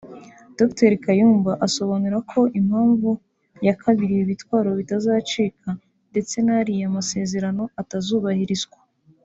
Dr Kayumba asobanura ko impamvu ya kabiri ibi bitwaro bitazacika ndetse n’ariya masezerano atubahirizwa